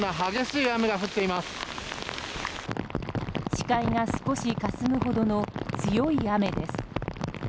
視界が少しかすむほどの強い雨です。